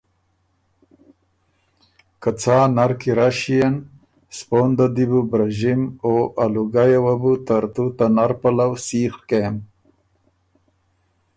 که څا نر کی رݭيېن سپونده دی بو برݫِم او ا لُوګئ یه وه بو ترتُو ته نر پلؤ سیخ کېم